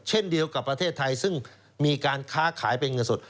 เช่นเดียวกับประเทศไทยซึ่งมีการค้าขายเป็นเงินสด